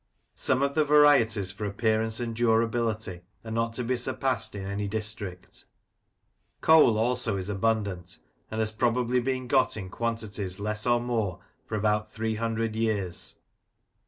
Some of the varieties for appearance and durability are not to be surpassed in any district Coal also is abundant, and has probably been got in quantities less or more for about three hundred years.